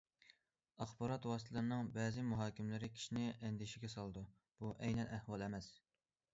ئاخبارات ۋاسىتىلىرىنىڭ بەزى مۇھاكىمىلىرى كىشىنى ئەندىشىگە سالىدۇ، بۇ ئەينەن ئەھۋال ئەمەس.